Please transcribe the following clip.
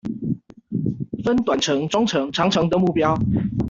分短程中程長程的目標